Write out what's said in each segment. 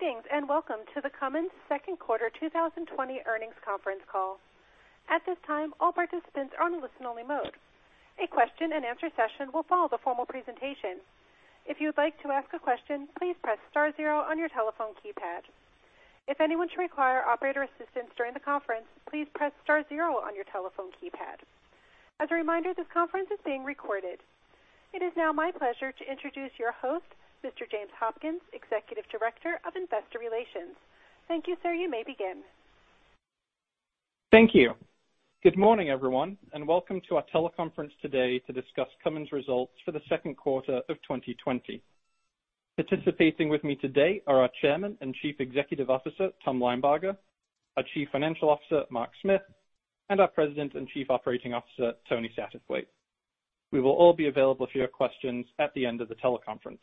Greetings, welcome to the Cummins second quarter 2020 earnings conference call. At this time, all participants are on listen only mode. A question-and-answer session will follow the formal presentation. If you would like to ask a question, please press star zero on your telephone keypad. If anyone should require operator assistance during the conference, please press star zero on your telephone keypad. As a reminder, this conference is being recorded. It is now my pleasure to introduce your host, Mr. James Hopkins, Executive Director of Investor Relations. Thank you, sir. You may begin. Thank you. Good morning, everyone, and welcome to our teleconference today to discuss Cummins results for the second quarter of 2020. Participating with me today are our Chairman and Chief Executive Officer, Tom Linebarger, our Chief Financial Officer, Mark Smith, and our President and Chief Operating Officer, Tony Satterthwaite. We will all be available for your questions at the end of the teleconference.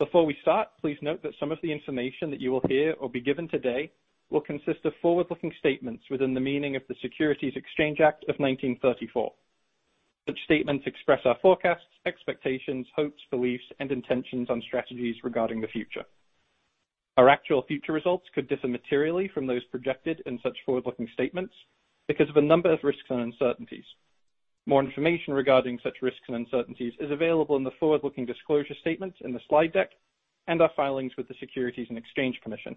Before we start, please note that some of the information that you will hear or be given today will consist of forward-looking statements within the meaning of the Securities Exchange Act of 1934. Such statements express our forecasts, expectations, hopes, beliefs, and intentions on strategies regarding the future. Our actual future results could differ materially from those projected in such forward-looking statements because of a number of risks and uncertainties. More information regarding such risks and uncertainties is available in the forward-looking disclosure statements in the slide deck and our filings with the Securities and Exchange Commission,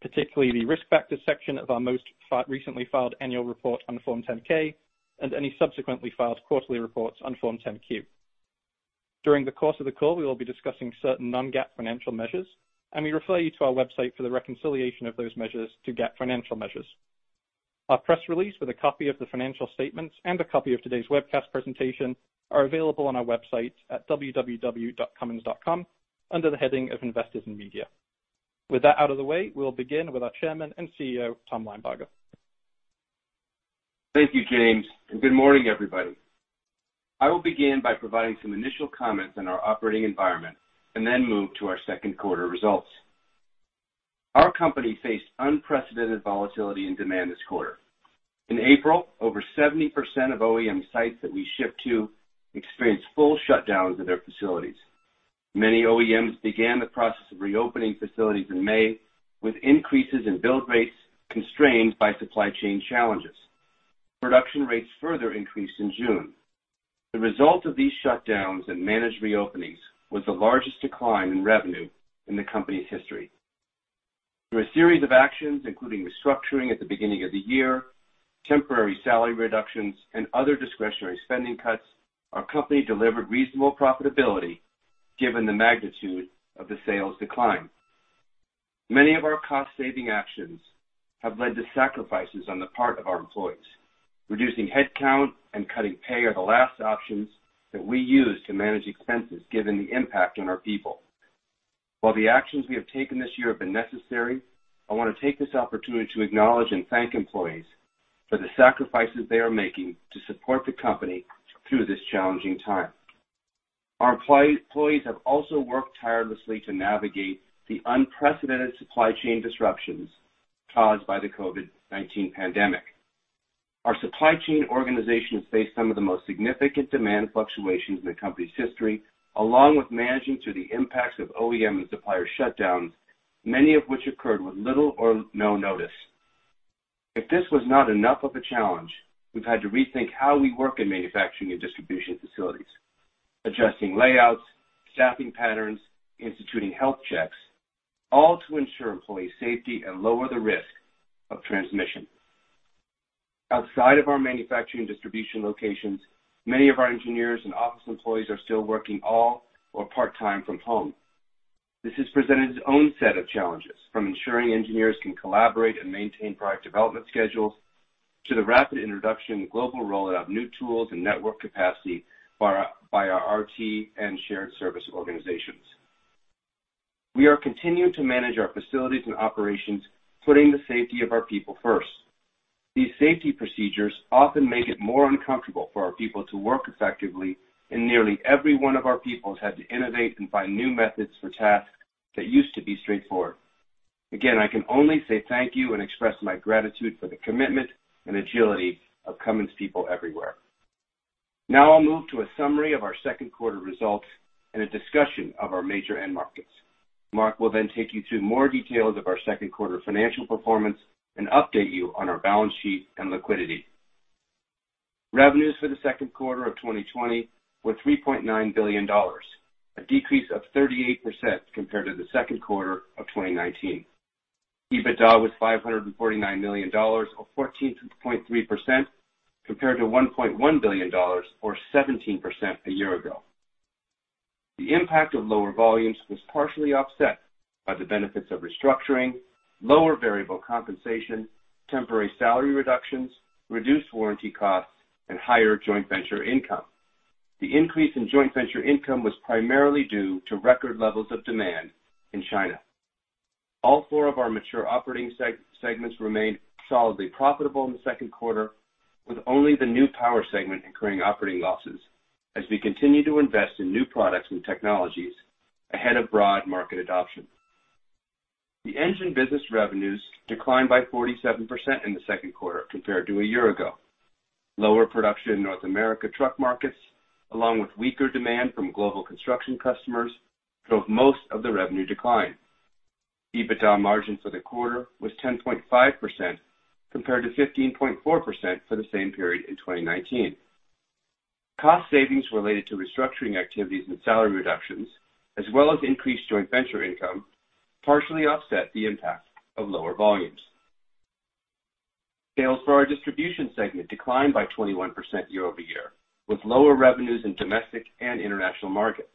particularly the Risk Factors section of our most recently filed annual report on Form 10-K, and any subsequently filed quarterly reports on Form 10-Q. During the course of the call, we will be discussing certain non-GAAP financial measures. We refer you to our website for the reconciliation of those measures to GAAP financial measures. Our press release with a copy of the financial statements and a copy of today's webcast presentation are available on our website at www.cummins.com under the heading of Investors and Media. With that out of the way, we'll begin with our Chairman and CEO, Tom Linebarger. Thank you, James, and good morning, everybody. I will begin by providing some initial comments on our operating environment and then move to our second quarter results. Our company faced unprecedented volatility and demand this quarter. In April, over 70% of OEM sites that we ship to experienced full shutdowns of their facilities. Many OEMs began the process of reopening facilities in May, with increases in build rates constrained by supply chain challenges. Production rates further increased in June. The result of these shutdowns and managed reopenings was the largest decline in revenue in the company's history. Through a series of actions, including restructuring at the beginning of the year, temporary salary reductions, and other discretionary spending cuts, our company delivered reasonable profitability given the magnitude of the sales decline. Many of our cost-saving actions have led to sacrifices on the part of our employees. Reducing headcount and cutting pay are the last options that we use to manage expenses, given the impact on our people. While the actions we have taken this year have been necessary, I want to take this opportunity to acknowledge and thank employees for the sacrifices they are making to support the company through this challenging time. Our employees have also worked tirelessly to navigate the unprecedented supply chain disruptions caused by the COVID-19 pandemic. Our supply chain organization has faced some of the most significant demand fluctuations in the company's history, along with managing through the impacts of OEM and supplier shutdowns, many of which occurred with little or no notice. If this was not enough of a challenge, we've had to rethink how we work in manufacturing and distribution facilities, adjusting layouts, staffing patterns, instituting health checks, all to ensure employee safety and lower the risk of transmission. Outside of our manufacturing distribution locations, many of our engineers and office employees are still working all or part-time from home. This has presented its own set of challenges, from ensuring engineers can collaborate and maintain product development schedules, to the rapid introduction and global rollout of new tools and network capacity by our IT and shared service organizations. We are continuing to manage our facilities and operations, putting the safety of our people first. These safety procedures often make it more uncomfortable for our people to work effectively, and nearly every one of our people has had to innovate and find new methods for tasks that used to be straightforward. Again, I can only say thank you and express my gratitude for the commitment and agility of Cummins people everywhere. Now I'll move to a summary of our second quarter results and a discussion of our major end markets. Mark will then take you through more details of our second quarter financial performance and update you on our balance sheet and liquidity. Revenues for the second quarter of 2020 were $3.9 billion, a decrease of 38% compared to the second quarter of 2019. EBITDA was $549 million, or 14.3%, compared to $1.1 billion, or 17%, a year ago. The impact of lower volumes was partially offset by the benefits of restructuring, lower variable compensation, temporary salary reductions, reduced warranty costs, and higher joint venture income. The increase in joint venture income was primarily due to record levels of demand in China. All four of our mature operating segments remained solidly profitable in the second quarter, with only the New Power segment incurring operating losses as we continue to invest in new products and technologies ahead of broad market adoption. The engine business revenues declined by 47% in the second quarter compared to a year ago. Lower production in North America truck markets, along with weaker demand from global construction customers, drove most of the revenue decline. EBITDA margin for the quarter was 10.5% compared to 15.4% for the same period in 2019. Cost savings related to restructuring activities and salary reductions, as well as increased joint venture income, partially offset the impact of lower volumes. Sales for our distribution segment declined by 21% year-over-year, with lower revenues in domestic and international markets.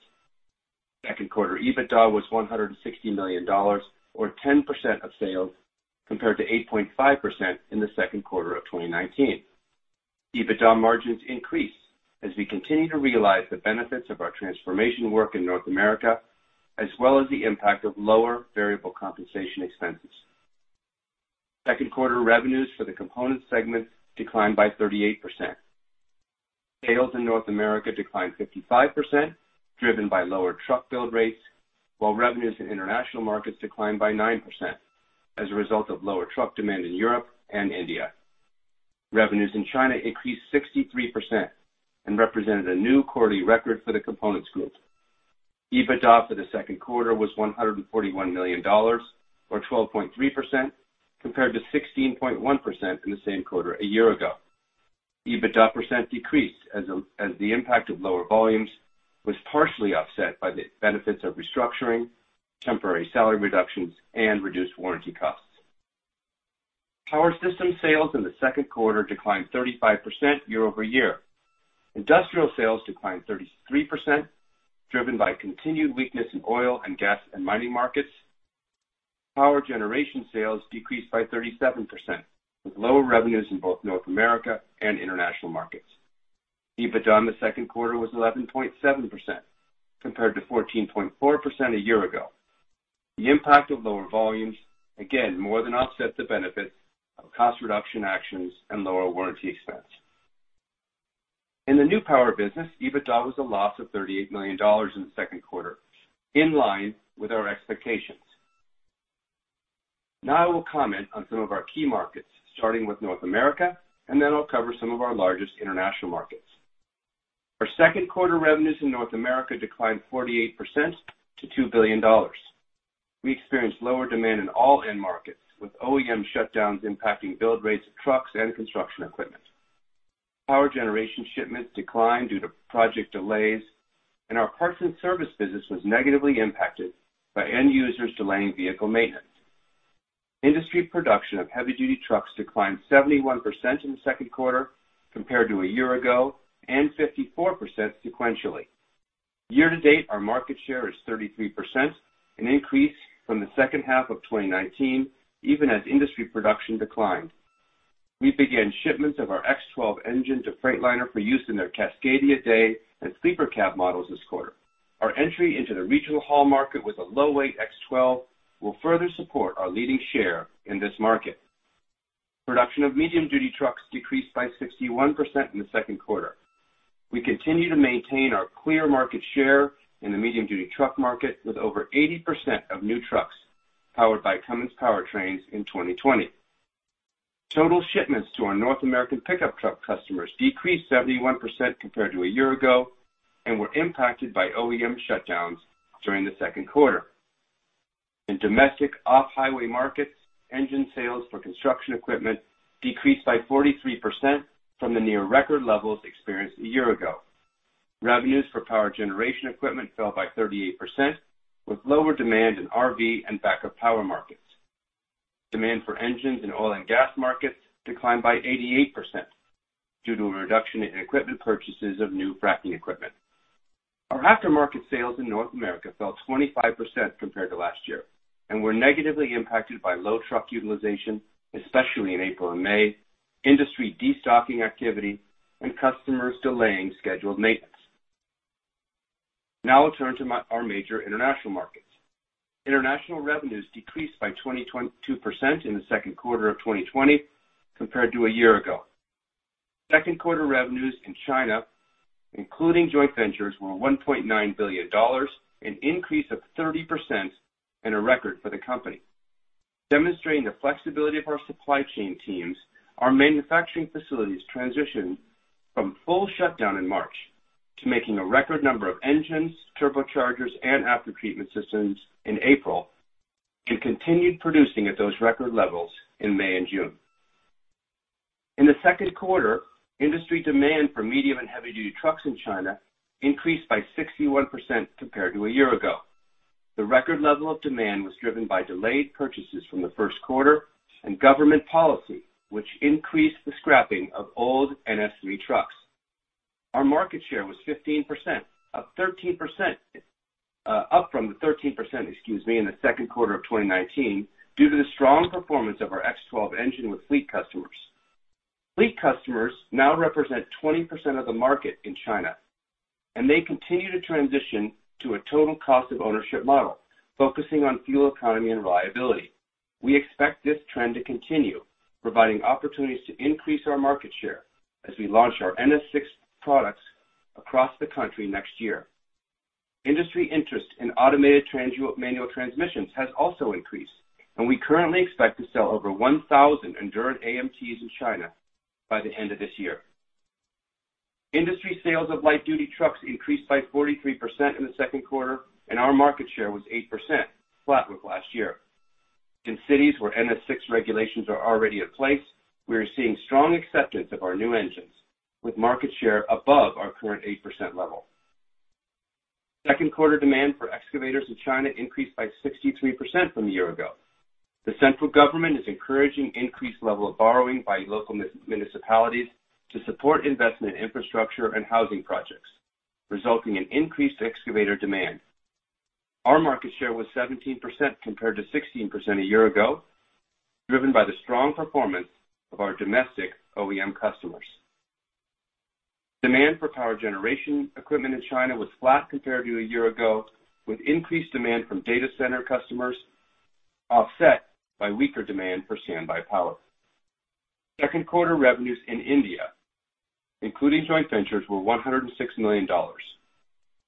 Second quarter EBITDA was $160 million, or 10% of sales, compared to 8.5% in the second quarter of 2019. EBITDA margins increased as we continue to realize the benefits of our transformation work in North America, as well as the impact of lower variable compensation expenses. Second quarter revenues for the components segment declined by 38%. Sales in North America declined 55%, driven by lower truck build rates, while revenues in international markets declined by 9% as a result of lower truck demand in Europe and India. Revenues in China increased 63% and represented a new quarterly record for the Components Group. EBITDA for the second quarter was $141 million, or 12.3%, compared to 16.1% in the same quarter a year ago. EBITDA% decreased as the impact of lower volumes was partially offset by the benefits of restructuring, temporary salary reductions and reduced warranty costs. Power System sales in the second quarter declined 35% year-over-year. Industrial sales declined 33%, driven by continued weakness in oil and gas and mining markets. Power Generation sales decreased by 37%, with lower revenues in both North America and international markets. EBITDA in the second quarter was 11.7% compared to 14.4% a year ago. The impact of lower volumes, again, more than offset the benefits of cost reduction actions and lower warranty expense. In the New Power business, EBITDA was a loss of $38 million in the second quarter, in line with our expectations. I will comment on some of our key markets, starting with North America, then I'll cover some of our largest international markets. Our second quarter revenues in North America declined 48% to $2 billion. We experienced lower demand in all end markets, with OEM shutdowns impacting build rates of trucks and construction equipment. Power generation shipments declined due to project delays, our parts and service business was negatively impacted by end users delaying vehicle maintenance. Industry production of heavy-duty trucks declined 71% in the second quarter compared to a year ago and 54% sequentially. Year-to-date, our market share is 33%, an increase from the second half of 2019, even as industry production declined. We began shipments of our X12 engine to Freightliner for use in their Cascadia Day and Sleeper Cab models this quarter. Our entry into the regional haul market with a low-weight X12 will further support our leading share in this market. Production of medium-duty trucks decreased by 61% in the second quarter. We continue to maintain our clear market share in the medium-duty truck market with over 80% of new trucks powered by Cummins powertrains in 2020. Total shipments to our North American pickup truck customers decreased 71% compared to a year ago and were impacted by OEM shutdowns during the second quarter. In domestic off-highway markets, engine sales for construction equipment decreased by 43% from the near record levels experienced a year ago. Revenues for power generation equipment fell by 38%, with lower demand in RV and backup power markets. Demand for engines in oil and gas markets declined by 88% due to a reduction in equipment purchases of new fracking equipment. Our aftermarket sales in North America fell 25% compared to last year and were negatively impacted by low truck utilization, especially in April and May, industry de-stocking activity, and customers delaying scheduled maintenance. Now I'll turn to our major international markets. International revenues decreased by 22% in the second quarter of 2020 compared to a year ago. Second quarter revenues in China, including joint ventures, were $1.9 billion, an increase of 30% and a record for the company. Demonstrating the flexibility of our supply chain teams, our manufacturing facilities transitioned from full shutdown in March to making a record number of engines, turbochargers and aftertreatment systems in April and continued producing at those record levels in May and June. In the second quarter, industry demand for medium and heavy-duty trucks in China increased by 61% compared to a year ago. The record level of demand was driven by delayed purchases from the first quarter and government policy, which increased the scrapping of old NS3 trucks. Our market share was 15%, up from the 13%, excuse me, in the second quarter of 2019 due to the strong performance of our X12 engine with fleet customers. Fleet customers now represent 20% of the market in China. They continue to transition to a total cost of ownership model focusing on fuel economy and reliability. We expect this trend to continue, providing opportunities to increase our market share as we launch our NS VI products across the country next year. Industry interest in automated manual transmissions has also increased, and we currently expect to sell over 1,000 Endurant AMTs in China by the end of this year. Industry sales of light-duty trucks increased by 43% in the second quarter, and our market share was 8%, flat with last year. In cities where NS VI regulations are already in place, we are seeing strong acceptance of our new engines, with market share above our current 8% level. Second quarter demand for excavators in China increased by 63% from a year ago. The central government is encouraging increased level of borrowing by local municipalities to support investment in infrastructure and housing projects, resulting in increased excavator demand. Our market share was 17% compared to 16% a year ago, driven by the strong performance of our domestic OEM customers. Demand for power generation equipment in China was flat compared to a year ago, with increased demand from data center customers offset by weaker demand for standby power. Second quarter revenues in India, including joint ventures, were $106 million,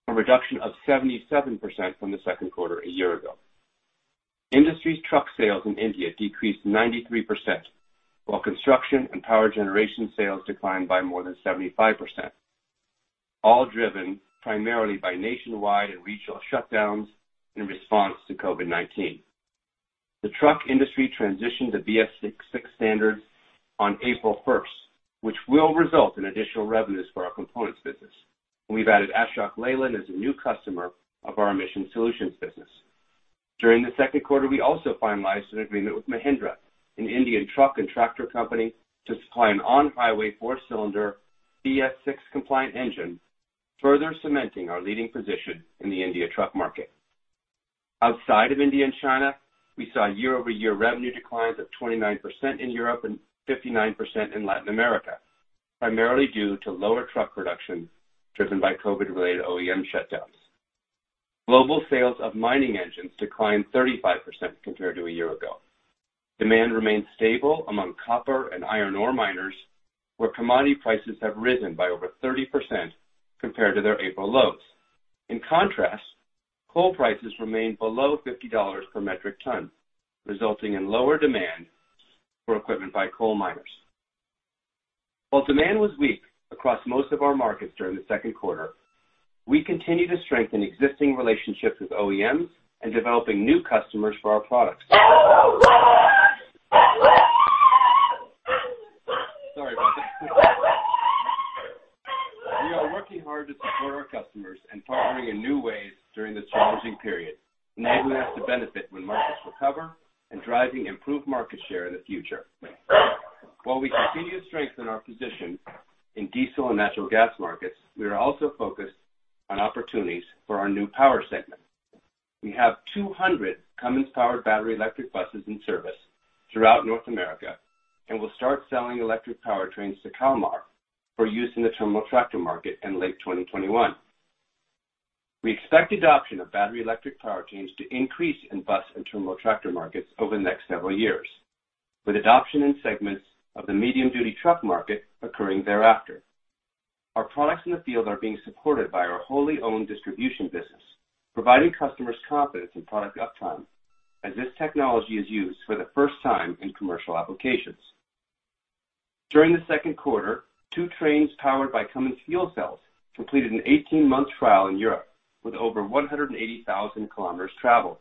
a reduction of 77% from the second quarter a year ago. Industry truck sales in India decreased 93%, while construction and power generation sales declined by more than 75%, all driven primarily by nationwide and regional shutdowns in response to COVID-19. The truck industry transitioned to BS VI standards on April 1st, which will result in additional revenues for our components business, and we've added Ashok Leyland as a new customer of our emissions solutions business. During the second quarter, we also finalized an agreement with Mahindra, an Indian truck and tractor company, to supply an on-highway four-cylinder BS-VI compliant engine, further cementing our leading position in the India truck market. Outside of India and China, we saw year-over-year revenue declines of 29% in Europe and 59% in Latin America, primarily due to lower truck production driven by COVID-related OEM shutdowns. Global sales of mining engines declined 35% compared to a year ago. Demand remained stable among copper and iron ore miners, where commodity prices have risen by over 30% compared to their April lows. In contrast, coal prices remained below $50 per metric ton, resulting in lower demand for equipment by coal miners. While demand was weak across most of our markets during the second quarter, we continue to strengthen existing relationships with OEMs and developing new customers for our products. Sorry about this. We are working hard to support our customers and partnering in new ways during this challenging period, enabling us to benefit when markets recover and driving improved market share in the future. While we continue to strengthen our position in diesel and natural gas markets, we are also focused on opportunities for our New Power segment. We have 200 Cummins-powered battery electric buses in service throughout North America and will start selling electric powertrains to Kalmar for use in the terminal tractor market in late 2021. We expect adoption of battery electric powertrains to increase in bus and terminal tractor markets over the next several years, with adoption in segments of the medium-duty truck market occurring thereafter. Our products in the field are being supported by our wholly owned distribution business, providing customers confidence in product uptime as this technology is used for the first time in commercial applications. During the second quarter, two trains powered by Cummins fuel cells completed an 18-month trial in Europe, with over 180,000 km traveled.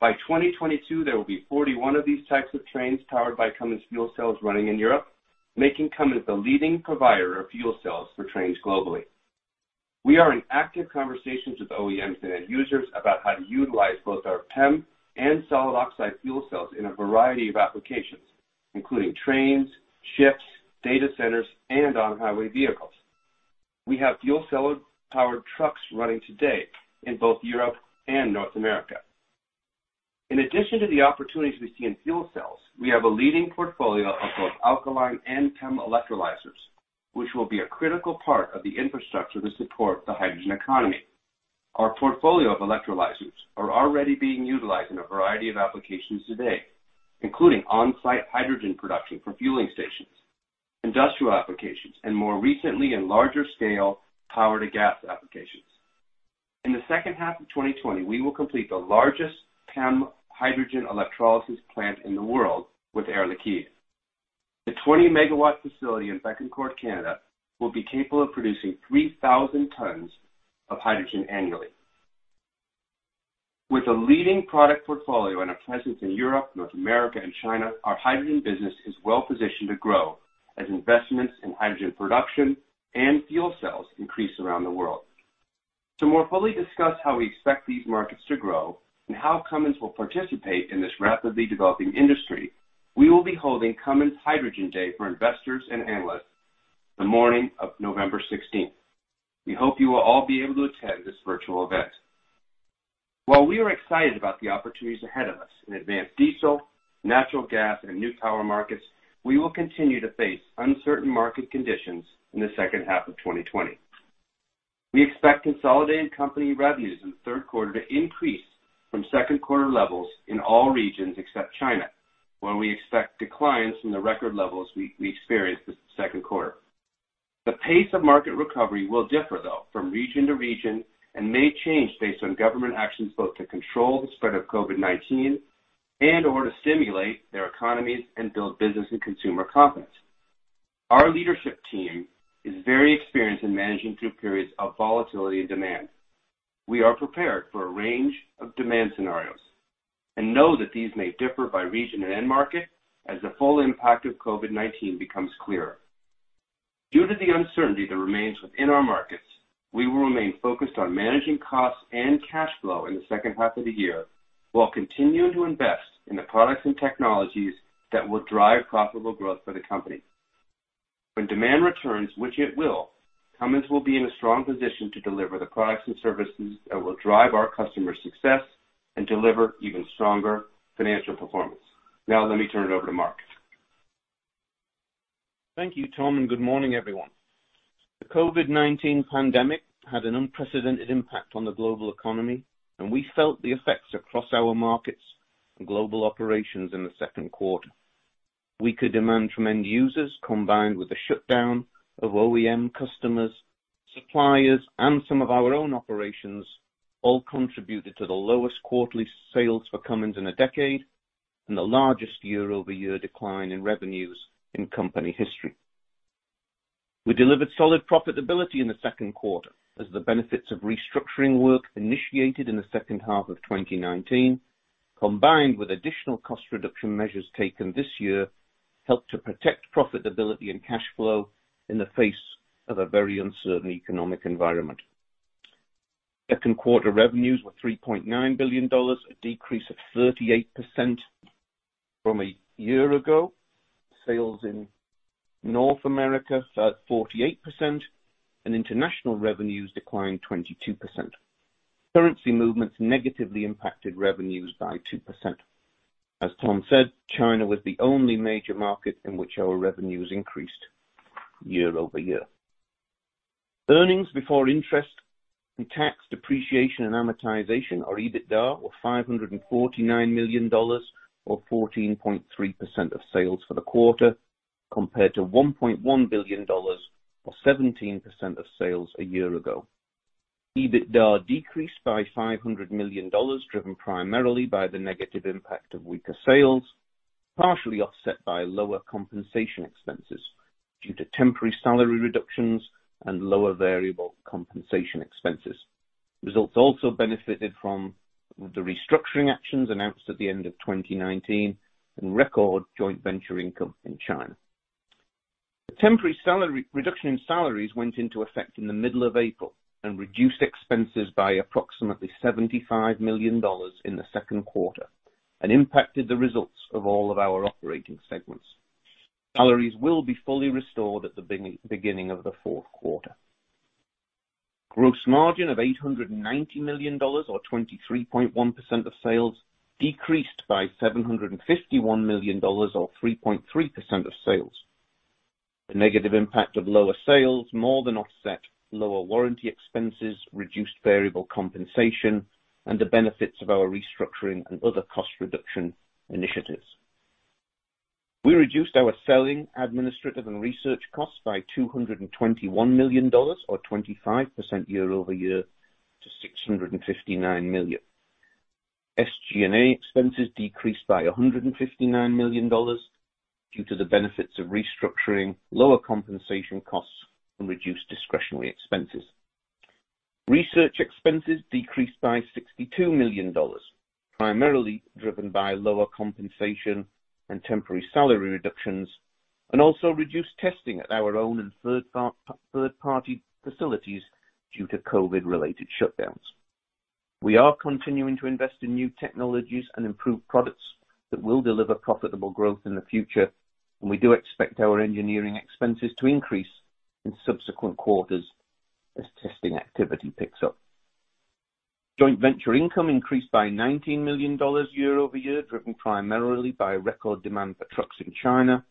By 2022, there will be 41 of these types of trains powered by Cummins fuel cells running in Europe, making Cummins the leading provider of fuel cells for trains globally. We are in active conversations with OEMs and end users about how to utilize both our PEM and solid oxide fuel cells in a variety of applications, including trains, ships, data centers, and on-highway vehicles. We have fuel cell-powered trucks running today in both Europe and North America. In addition to the opportunities we see in fuel cells, we have a leading portfolio of both alkaline and PEM electrolyzers, which will be a critical part of the infrastructure to support the hydrogen economy. Our portfolio of electrolyzers are already being utilized in a variety of applications today, including on-site hydrogen production for fueling stations, industrial applications, and more recently in larger scale power-to-gas applications. In the second half of 2020, we will complete the largest PEM hydrogen electrolysis plant in the world with Air Liquide. The 20 MW facility in Bécancour, Canada will be capable of producing 3,000 tons of hydrogen annually. With a leading product portfolio and a presence in Europe, North America, and China, our hydrogen business is well positioned to grow as investments in hydrogen production and fuel cells increase around the world. To more fully discuss how we expect these markets to grow and how Cummins will participate in this rapidly developing industry, we will be holding Cummins Hydrogen Day for investors and analysts the morning of November 16th. We hope you will all be able to attend this virtual event. We are excited about the opportunities ahead of us in advanced diesel, natural gas, and New Power markets, we will continue to face uncertain market conditions in the second half of 2020. We expect consolidated company revenues in the third quarter to increase from second quarter levels in all regions except China, where we expect declines from the record levels we experienced this second quarter. The pace of market recovery will differ, though, from region to region and may change based on government actions, both to control the spread of COVID-19 and/or to stimulate their economies and build business and consumer confidence. Our leadership team is very experienced in managing through periods of volatility and demand. We are prepared for a range of demand scenarios and know that these may differ by region and end market as the full impact of COVID-19 becomes clearer. Due to the uncertainty that remains within our markets, we will remain focused on managing costs and cash flow in the second half of the year, while continuing to invest in the products and technologies that will drive profitable growth for the company. When demand returns, which it will, Cummins will be in a strong position to deliver the products and services that will drive our customers' success and deliver even stronger financial performance. Now let me turn it over to Mark. Thank you, Tom. Good morning, everyone. The COVID-19 pandemic had an unprecedented impact on the global economy, and we felt the effects across our markets and global operations in the second quarter. Weaker demand from end users, combined with the shutdown of OEM customers, suppliers, and some of our own operations, all contributed to the lowest quarterly sales for Cummins in a decade and the largest year-over-year decline in revenues in company history. We delivered solid profitability in the second quarter as the benefits of restructuring work initiated in the second half of 2019, combined with additional cost reduction measures taken this year, helped to protect profitability and cash flow in the face of a very uncertain economic environment. Second quarter revenues were $3.9 billion, a decrease of 38% from a year ago. Sales in North America fell 48%. International revenues declined 22%. Currency movements negatively impacted revenues by 2%. As Tom said, China was the only major market in which our revenues increased year-over-year. Earnings before interest and tax depreciation and amortization, or EBITDA, were $549 million, or 14.3% of sales for the quarter, compared to $1.1 billion or 17% of sales a year ago. EBITDA decreased by $500 million, driven primarily by the negative impact of weaker sales, partially offset by lower compensation expenses due to temporary salary reductions and lower variable compensation expenses. Results also benefited from the restructuring actions announced at the end of 2019 and record joint venture income in China. The temporary reduction in salaries went into effect in the middle of April and reduced expenses by approximately $75 million in the second quarter and impacted the results of all of our operating segments. Salaries will be fully restored at the beginning of the fourth quarter. Gross margin of $890 million, or 23.1% of sales, decreased by $751 million or 3.3% of sales. The negative impact of lower sales more than offset lower warranty expenses, reduced variable compensation, and the benefits of our restructuring and other cost reduction initiatives. We reduced our selling, administrative, and research costs by $221 million, or 25% year-over-year, to $659 million. SG&A expenses decreased by $159 million due to the benefits of restructuring, lower compensation costs, and reduced discretionary expenses. Research expenses decreased by $62 million, primarily driven by lower compensation and temporary salary reductions, and also reduced testing at our own and third-party facilities due to COVID-related shutdowns. We are continuing to invest in new technologies and improved products that will deliver profitable growth in the future. We do expect our engineering expenses to increase in subsequent quarters as testing activity picks up. Joint venture income increased by $19 million year-over-year, driven primarily by record demand for trucks in China.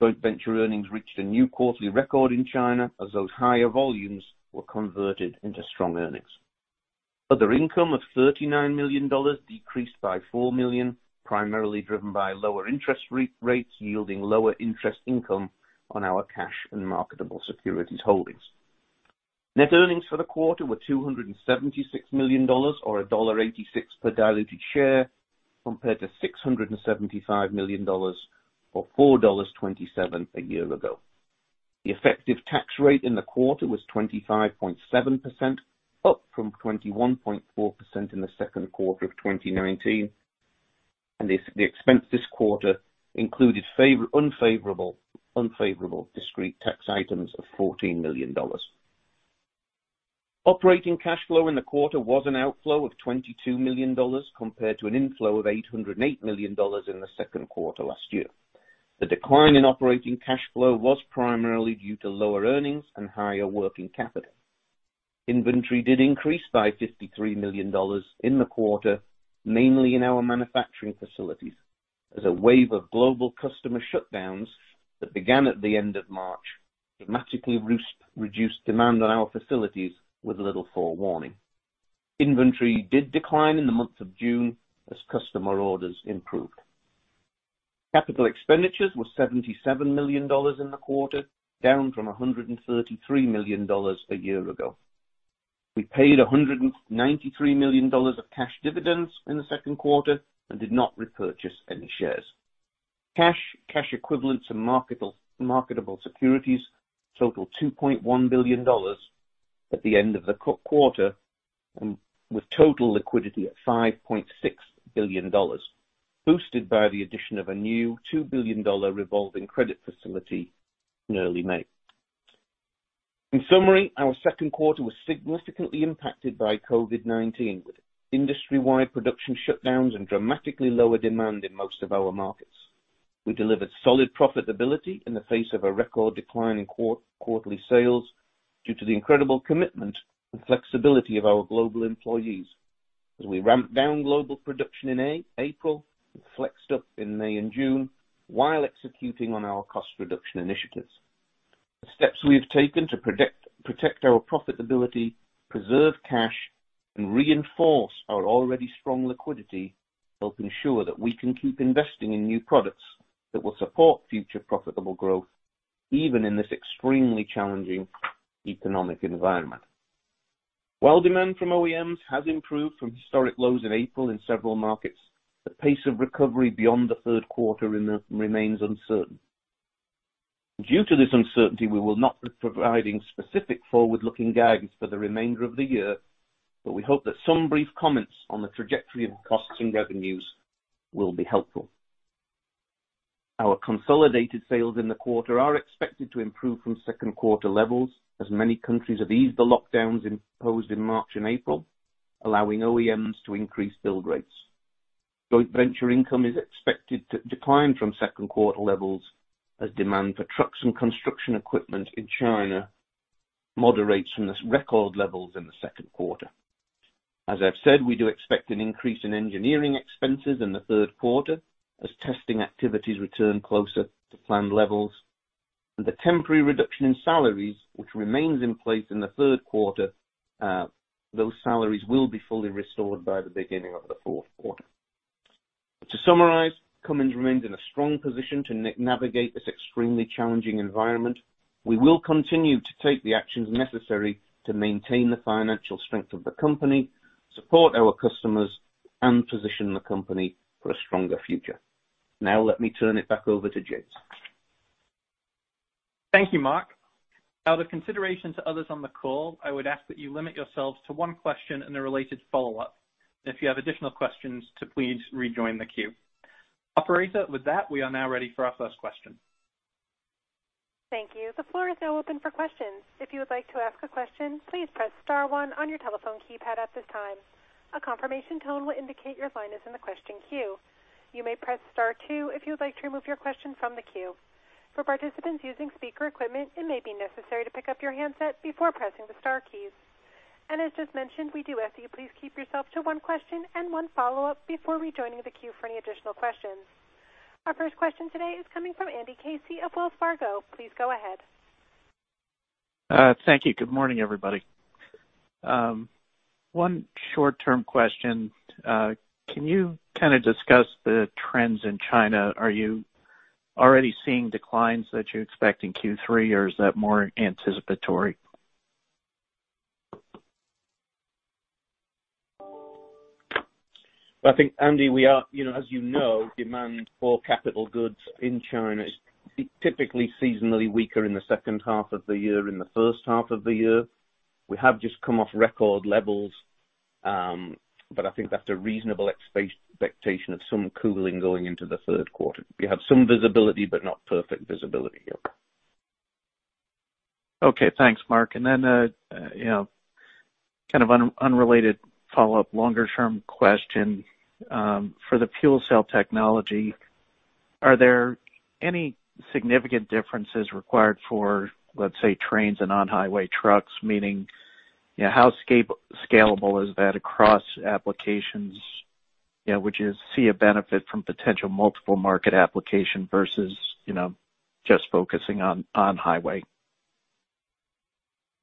Joint venture earnings reached a new quarterly record in China as those higher volumes were converted into strong earnings. Other income of $39 million decreased by $4 million, primarily driven by lower interest rates, yielding lower interest income on our cash and marketable securities holdings. Net earnings for the quarter were $276 million, or $1.86 per diluted share, compared to $675 million, or $4.27 a year ago. The effective tax rate in the quarter was 25.7%, up from 21.4% in the second quarter of 2019. The expense this quarter included unfavorable discrete tax items of $14 million. Operating cash flow in the quarter was an outflow of $22 million compared to an inflow of $808 million in the second quarter last year. The decline in operating cash flow was primarily due to lower earnings and higher working capital. Inventory did increase by $53 million in the quarter, mainly in our manufacturing facilities, as a wave of global customer shutdowns that began at the end of March dramatically reduced demand on our facilities with little forewarning. Inventory did decline in the month of June as customer orders improved. Capital expenditures were $77 million in the quarter, down from $133 million a year ago. We paid $193 million of cash dividends in the second quarter and did not repurchase any shares. Cash, cash equivalents, and marketable securities total $2.1 billion at the end of the quarter, with total liquidity at $5.6 billion, boosted by the addition of a new $2 billion revolving credit facility in early May. In summary, our second quarter was significantly impacted by COVID-19, with industry-wide production shutdowns and dramatically lower demand in most of our markets. We delivered solid profitability in the face of a record decline in quarterly sales due to the incredible commitment and flexibility of our global employees, as we ramped down global production in April and flexed up in May and June while executing on our cost reduction initiatives. The steps we have taken to protect our profitability, preserve cash, and reinforce our already strong liquidity help ensure that we can keep investing in new products that will support future profitable growth, even in this extremely challenging economic environment. While demand from OEMs has improved from historic lows in April in several markets, the pace of recovery beyond the third quarter remains uncertain. Due to this uncertainty, we will not be providing specific forward-looking guidance for the remainder of the year, but we hope that some brief comments on the trajectory of costs and revenues will be helpful. Our consolidated sales in the quarter are expected to improve from second quarter levels as many countries have eased the lockdowns imposed in March and April, allowing OEMs to increase build rates. Joint venture income is expected to decline from second quarter levels as demand for trucks and construction equipment in China moderates from its record levels in the second quarter. As I've said, we do expect an increase in engineering expenses in the third quarter as testing activities return closer to planned levels. The temporary reduction in salaries, which remains in place in the third quarter, those salaries will be fully restored by the beginning of the fourth quarter. To summarize, Cummins remains in a strong position to navigate this extremely challenging environment. We will continue to take the actions necessary to maintain the financial strength of the company, support our customers, and position the company for a stronger future. Now, let me turn it back over to James. Thank you, Mark. Out of consideration to others on the call, I would ask that you limit yourselves to one question and a related follow-up. If you have additional questions, to please rejoin the queue. Operator, with that, we are now ready for our first question. Thank you. The floor is now open for questions. If you would like to ask a question, please press star one on your telephone keypad at this time. A confirmation tone will indicate your line is in the question queue. You may press star two if you would like to remove your question from the queue. For participants using speaker equipment, it may be necessary to pick up your handset before pressing the star keys. As just mentioned, we do ask that you please keep yourself to one question and one follow-up before rejoining the queue for any additional questions. Our first question today is coming from Andy Casey of Wells Fargo. Please go ahead. Thank you. Good morning, everybody. One short-term question. Can you kind of discuss the trends in China? Are you already seeing declines that you expect in Q3, or is that more anticipatory? I think, Andy, as you know, demand for capital goods in China is typically seasonally weaker in the second half of the year than in the first half of the year. We have just come off record levels. I think that's a reasonable expectation of some cooling going into the third quarter. We have some visibility, but not perfect visibility yet. Okay, thanks, Mark. Kind of an unrelated follow-up, longer-term question. For the fuel cell technology, are there any significant differences required for, let's say, trains and on-highway trucks? Meaning, how scalable is that across applications? Would you see a benefit from potential multiple market application versus just focusing on highway?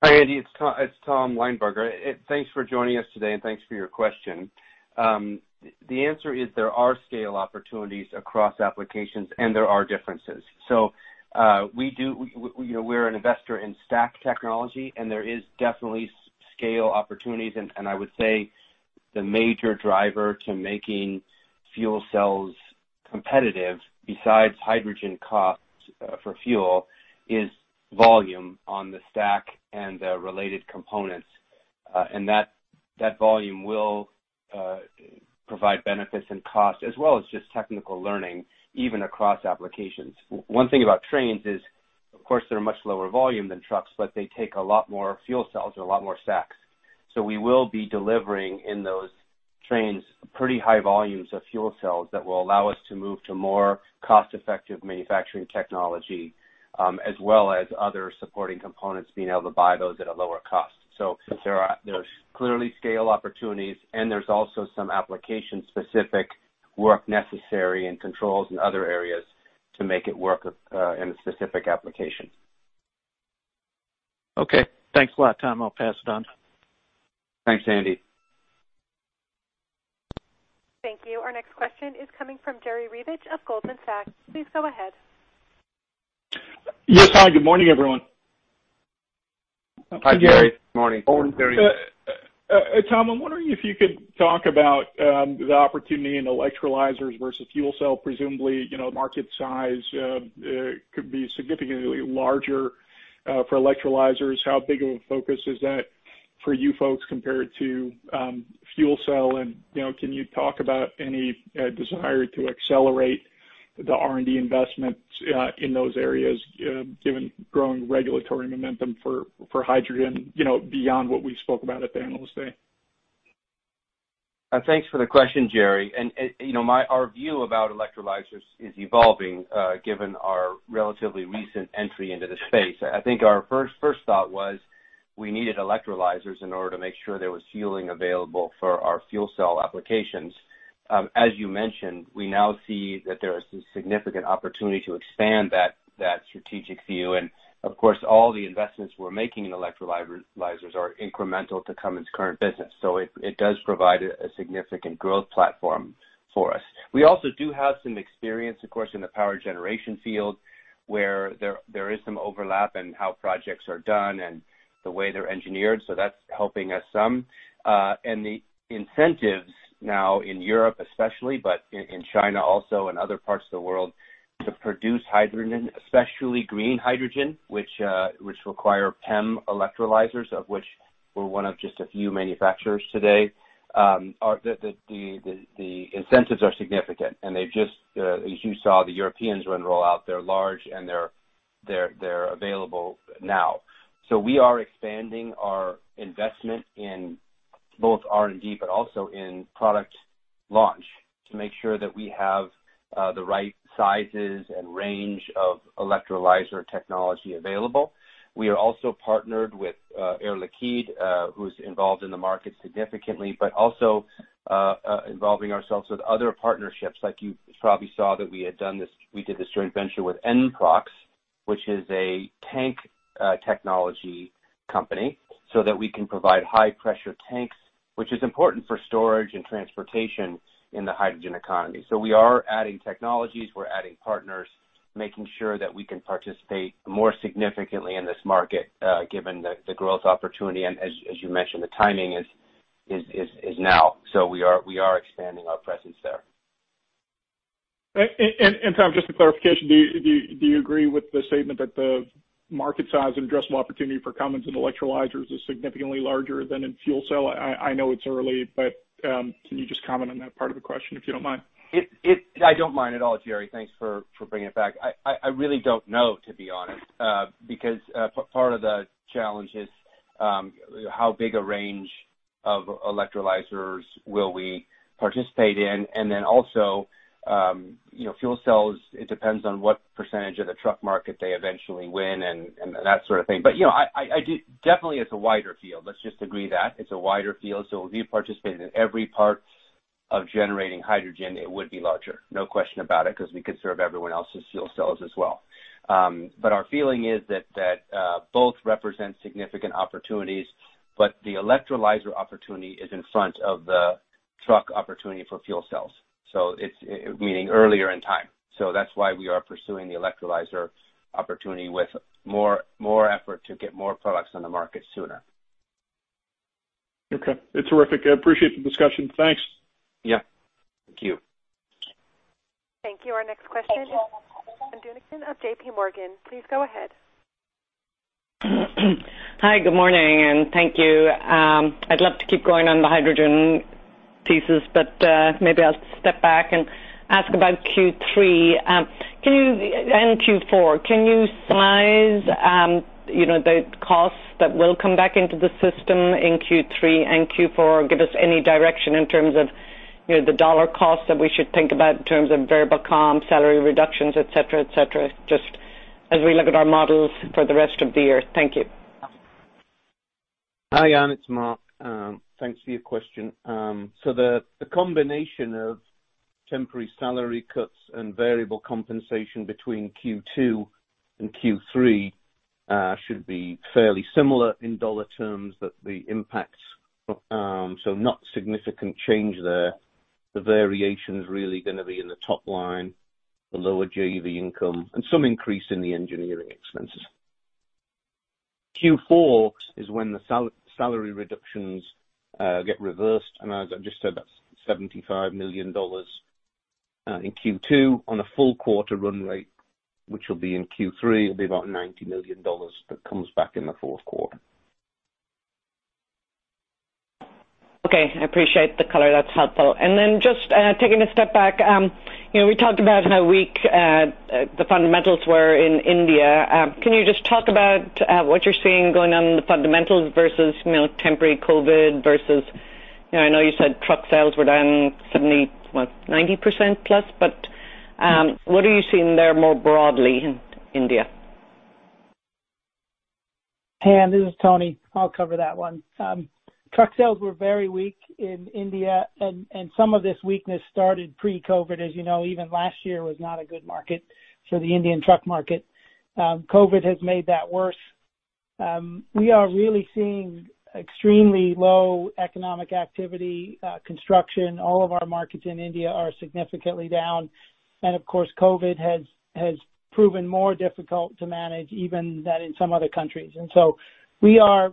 Hi, Andy. It's Tom Linebarger. Thanks for joining us today, and thanks for your question. The answer is there are scale opportunities across applications, and there are differences. We're an investor in stack technology, and there is definitely scale opportunities, and I would say the major driver to making fuel cells competitive, besides hydrogen cost for fuel, is volume on the stack and the related components. That volume will provide benefits in cost as well as just technical learning, even across applications. One thing about trains is, of course, they're much lower volume than trucks, but they take a lot more fuel cells and a lot more stacks. We will be delivering in those trains pretty high volumes of fuel cells that will allow us to move to more cost-effective manufacturing technology, as well as other supporting components, being able to buy those at a lower cost. There's clearly scale opportunities, and there's also some application-specific work necessary and controls in other areas to make it work in a specific application. Okay. Thanks a lot, Tom. I'll pass it on. Thanks, Andy. Thank you. Our next question is coming from Jerry Revich of Goldman Sachs. Please go ahead. Yes. Hi, good morning, everyone. Hi, Jerry. Morning. Tom, I'm wondering if you could talk about the opportunity in electrolyzers versus fuel cell. Presumably, market size could be significantly larger for electrolyzers. How big of a focus is that for you folks compared to fuel cell? Can you talk about any desire to accelerate the R&D investments in those areas, given growing regulatory momentum for hydrogen, beyond what we spoke about at the Cummins Hydrogen Day? Thanks for the question, Jerry. Our view about electrolyzers is evolving, given our relatively recent entry into the space. I think our first thought was we needed electrolyzers in order to make sure there was fueling available for our fuel cell applications. As you mentioned, we now see that there is some significant opportunity to expand that strategic view. Of course, all the investments we're making in electrolyzers are incremental to Cummins' current business, so it does provide a significant growth platform for us. We also do have some experience, of course, in the power generation field, where there is some overlap in how projects are done and the way they're engineered, so that's helping us some. The incentives now in Europe especially, but in China also and other parts of the world, to produce hydrogen, especially green hydrogen, which require PEM electrolyzers, of which we're one of just a few manufacturers today, the incentives are significant. As you saw, the Europeans were in rollout. They're large, and they're available now. We are expanding our investment in both R&D but also in product launch to make sure that we have the right sizes and range of electrolyzer technology available. We are also partnered with Air Liquide, who's involved in the market significantly, but also involving ourselves with other partnerships. Like you probably saw that we did this joint venture with NPROXX, which is a tank technology company, so that we can provide high-pressure tanks, which is important for storage and transportation in the hydrogen economy. We are adding technologies, we're adding partners, making sure that we can participate more significantly in this market, given the growth opportunity, and as you mentioned, the timing is now. We are expanding our presence there. Tom, just for clarification, do you agree with the statement that the market size and addressable opportunity for Cummins in electrolyzers is significantly larger than in fuel cell? I know it's early, but can you just comment on that part of the question, if you don't mind? I don't mind at all, Jerry. Thanks for bringing it back. I really don't know, to be honest, because part of the challenge is how big a range of electrolyzers will we participate in? Fuel cells, it depends on what percentage of the truck market they eventually win and that sort of thing. Definitely it's a wider field. Let's just agree that. It's a wider field, if you participated in every part of generating hydrogen, it would be larger, no question about it, because we could serve everyone else's fuel cells as well. Our feeling is that both represent significant opportunities, but the electrolyzer opportunity is in front of the truck opportunity for fuel cells, meaning earlier in time. That's why we are pursuing the electrolyzer opportunity with more effort to get more products on the market sooner. Okay. Terrific. I appreciate the discussion. Thanks. Yeah. Thank you. Thank you. Our next question, Ann Duignan of JPMorgan. Please go ahead. Hi, good morning, and thank you. I'd love to keep going on the hydrogen thesis, but maybe I'll step back and ask about Q3 and Q4. Can you size the costs that will come back into the system in Q3 and Q4, or give us any direction in terms of the dollar cost that we should think about in terms of variable comp, salary reductions, et cetera. Just as we look at our models for the rest of the year. Thank you. Hi, Ann. It's Mark. Thanks for your question. The combination of temporary salary cuts and variable compensation between Q2 and Q3 should be fairly similar in dollar terms, so not significant change there. The variation's really going to be in the top line, the lower JV income, and some increase in the engineering expenses. Q4 is when the salary reductions get reversed, as I just said, that's $75 million in Q2 on a full quarter run rate, which will be in Q3, will be about $90 million that comes back in the fourth quarter. Okay. I appreciate the color. That's helpful. Then just taking a step back, we talked about how weak the fundamentals were in India. Can you just talk about what you're seeing going on in the fundamentals versus temporary COVID-19? I know you said truck sales were down 70, what, 90% plus, but what are you seeing there more broadly in India? Ann, this is Tony. I'll cover that one. Truck sales were very weak in India. Some of this weakness started pre-COVID. As you know, even last year was not a good market for the Indian truck market. COVID has made that worse. We are really seeing extremely low economic activity. Construction, all of our markets in India are significantly down. Of course, COVID has proven more difficult to manage even than in some other countries. So we are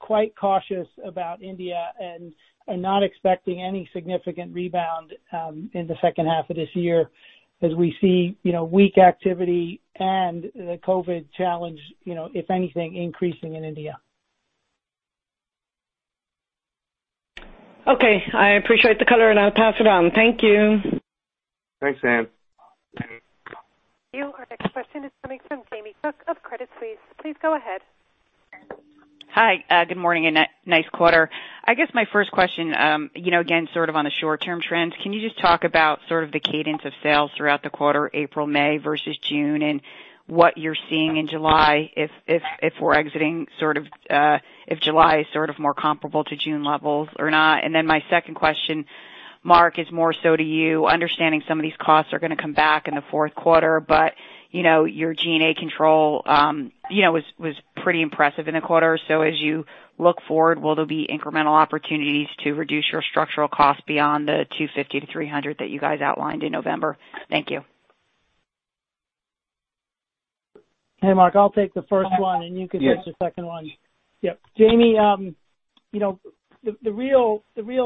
quite cautious about India and are not expecting any significant rebound in the second half of this year as we see weak activity and the COVID challenge, if anything, increasing in India. Okay. I appreciate the color. I'll pass it on. Thank you. Thanks, Ann. Our next question is coming from Jamie Cook of Credit Suisse. Please go ahead. Hi. Good morning and nice quarter. I guess my first question, again, sort of on the short-term trends, can you just talk about sort of the cadence of sales throughout the quarter, April, May versus June, and what you're seeing in July, if July is sort of more comparable to June levels or not? My second question, Mark, is more so to you, understanding some of these costs are going to come back in the fourth quarter, but your G&A control was pretty impressive in the quarter. As you look forward, will there be incremental opportunities to reduce your structural cost beyond the $250-$300 that you guys outlined in November? Thank you. Hey, Mark, I'll take the first one. Yeah the second one. Yep. Jamie, the real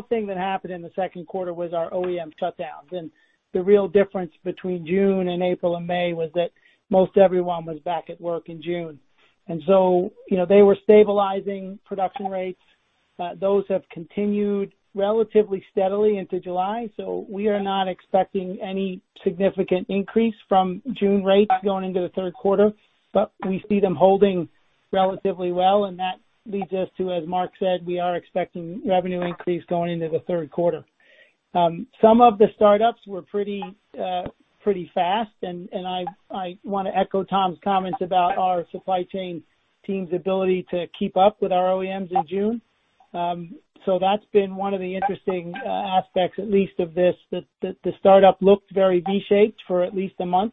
thing that happened in the second quarter was our OEM shutdowns. The real difference between June and April and May was that most everyone was back at work in June. They were stabilizing production rates. Those have continued relatively steadily into July. We are not expecting any significant increase from June rates going into the third quarter, but we see them holding relatively well, and that leads us to, as Mark said, we are expecting revenue increase going into the third quarter. Some of the startups were pretty fast. I want to echo Tom's comments about our supply chain team's ability to keep up with our OEMs in June. That's been one of the interesting aspects, at least, of this, that the startup looked very V-shaped for at least a month.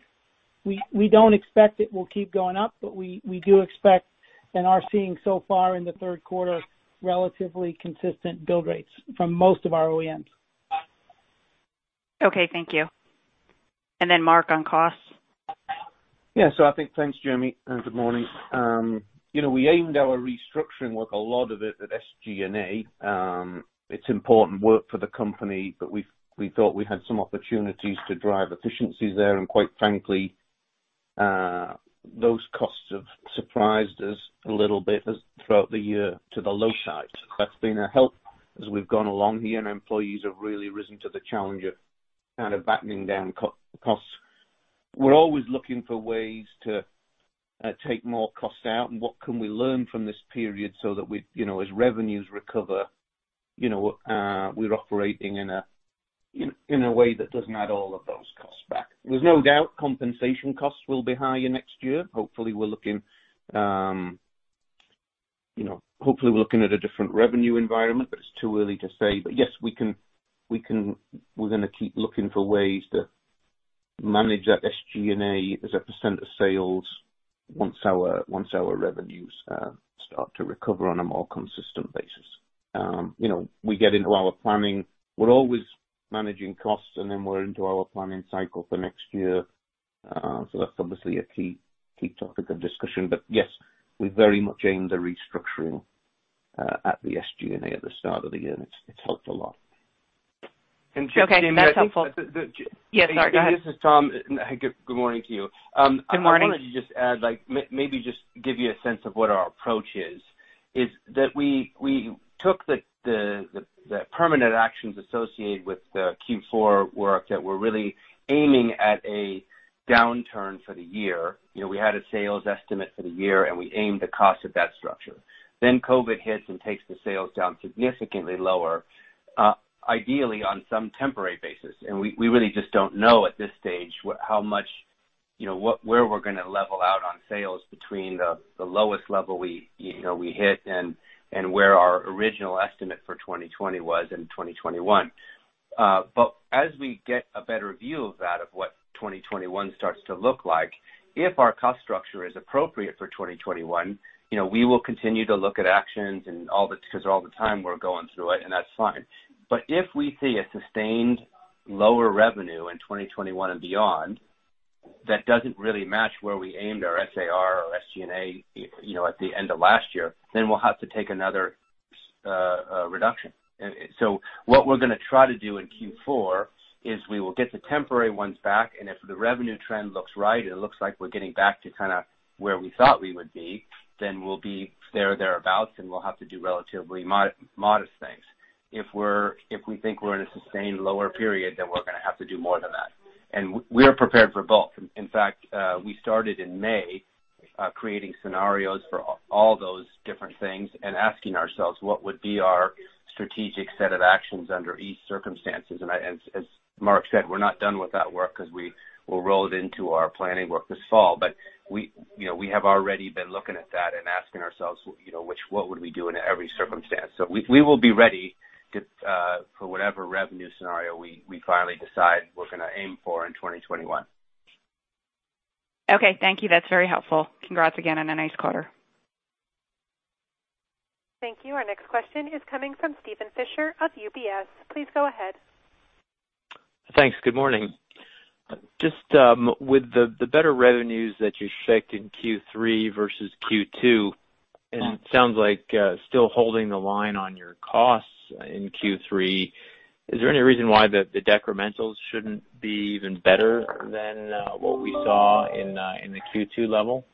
We don't expect it will keep going up, but we do expect and are seeing so far in the third quarter, relatively consistent build rates from most of our OEMs. Okay, thank you. Mark on costs? Yeah. I think, thanks, Jamie, and good morning. We aimed our restructuring work a lot of it at SG&A. It's important work for the company, but we thought we had some opportunities to drive efficiencies there. Quite frankly, those costs have surprised us a little bit as throughout the year to the low side. That's been a help as we've gone along here, and employees have really risen to the challenge of kind of battening down costs. We're always looking for ways to take more costs out and what can we learn from this period so that as revenues recover, we're operating in a way that doesn't add all of those costs back. There's no doubt compensation costs will be higher next year. Hopefully, we're looking at a different revenue environment, but it's too early to say. Yes, we're going to keep looking for ways to manage that SG&A as a percent of sales once our revenues start to recover on a more consistent basis. We get into our planning. We're always managing costs, and then we're into our planning cycle for next year. That's obviously a key topic of discussion. Yes, we very much aimed the restructuring at the SG&A at the start of the year, and it's helped a lot. Okay. That's helpful. Jamie, I think. Yes. Sorry, go ahead. This is Tom. Good morning to you. Good morning. I wanted to just add, maybe just give you a sense of what our approach is that we took the permanent actions associated with the Q4 work that we're really aiming at a downturn for the year. We had a sales estimate for the year, and we aimed the cost of that structure. COVID hits and takes the sales down significantly lower, ideally on some temporary basis. We really just don't know at this stage where we're going to level out on sales between the lowest level we hit and where our original estimate for 2020 was and 2021. As we get a better view of that, of what 2021 starts to look like, if our cost structure is appropriate for 2021, we will continue to look at actions because all the time we're going through it, and that's fine. If we see a sustained lower revenue in 2021 and beyond, that doesn't really match where we aimed our SAR or SG&A at the end of last year, then we'll have to take another reduction. What we're going to try to do in Q4 is we will get the temporary ones back, and if the revenue trend looks right and it looks like we're getting back to kind of where we thought we would be, then we'll be there or thereabouts, and we'll have to do relatively modest things. If we think we're in a sustained lower period, then we're going to have to do more than that. We're prepared for both. In fact, we started in May creating scenarios for all those different things and asking ourselves what would be our strategic set of actions under each circumstances. As Mark said, we're not done with that work because we will roll it into our planning work this fall. We have already been looking at that and asking ourselves, what would we do in every circumstance? We will be ready for whatever revenue scenario we finally decide we're going to aim for in 2021. Okay. Thank you. That's very helpful. Congrats again on a nice quarter. Thank you. Our next question is coming from Steven Fisher of UBS. Please go ahead. Thanks. Good morning. Just with the better revenues that you showed in Q3 versus Q2, and it sounds like still holding the line on your costs in Q3, is there any reason why the decrementals shouldn't be even better than what we saw in the Q2 level?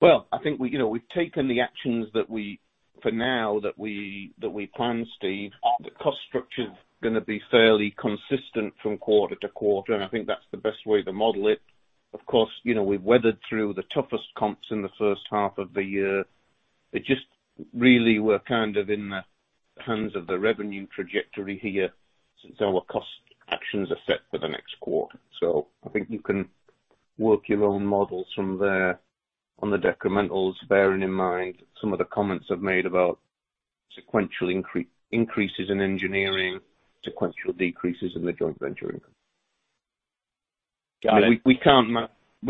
Well, I think we've taken the actions for now that we planned, Steve. The cost structure is going to be fairly consistent from quarter to quarter, and I think that's the best way to model it. Of course, we've weathered through the toughest comps in the first half of the year. It just really we're kind of in the hands of the revenue trajectory here since our cost actions are set for the next quarter. I think you can work your own models from there on the decrementals, bearing in mind some of the comments I've made about sequential increases in engineering, sequential decreases in the joint venture income. Got it. We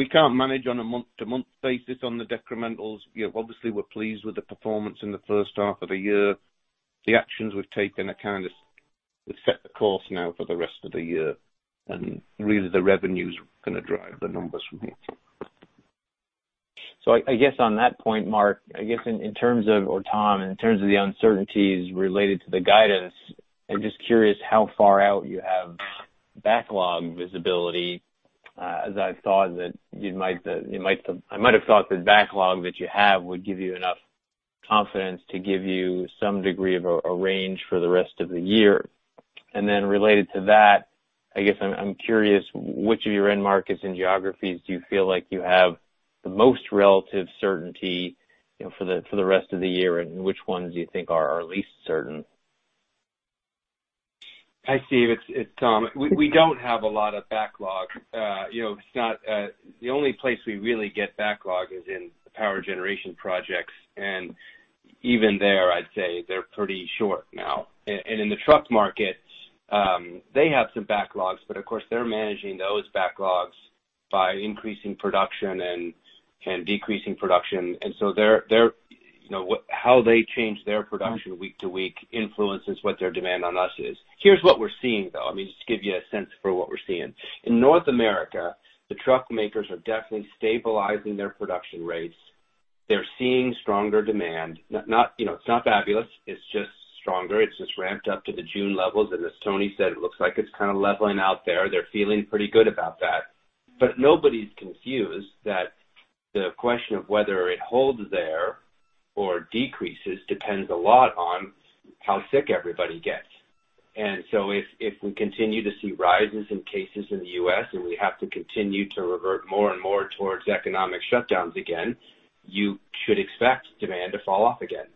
can't manage on a month-to-month basis on the decrementals. Obviously, we're pleased with the performance in the first half of the year. The actions we've taken have kind of set the course now for the rest of the year, and really the revenue is going to drive the numbers from here. On that point, Mark, in terms of, or Tom, in terms of the uncertainties related to the guidance, I'm just curious how far out you have backlog visibility, as I might have thought the backlog that you have would give you enough confidence to give you some degree of a range for the rest of the year. Related to that, I'm curious which of your end markets and geographies do you feel like you have the most relative certainty for the rest of the year, and which ones do you think are least certain? Hi, Steven. It's Tom. We don't have a lot of backlog. The only place we really get backlog is in the power generation projects, and even there, I'd say they're pretty short now. In the truck markets, they have some backlogs, but of course, they're managing those backlogs by increasing production and decreasing production. How they change their production week to week influences what their demand on us is. Here's what we're seeing, though. I mean just to give you a sense for what we're seeing. In North America, the truck makers are definitely stabilizing their production rates. They're seeing stronger demand. It's not fabulous. It's just stronger. It's just ramped up to the June levels, as Tony said, it looks like it's kind of leveling out there. They're feeling pretty good about that. Nobody's confused that the question of whether it holds there or decreases depends a lot on how sick everybody gets. If we continue to see rises in cases in the U.S., and we have to continue to revert more and more towards economic shutdowns again, you should expect demand to fall off again.